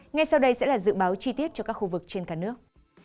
ngay sau đây sẽ là dự báo chi tiết cho các khu vực trên cả nước